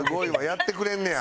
やってくれんねや。